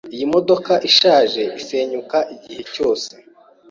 Iyi modoka ishaje isenyuka igihe cyose.